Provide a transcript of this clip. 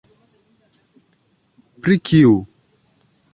Pri kiu?